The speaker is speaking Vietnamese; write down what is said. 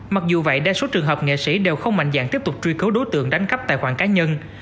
mặc dù vậy đa số trường hợp nghệ sĩ đều không mạnh dạng tiếp tục truy cứu đối tượng đánh cắp tài khoản cá nhân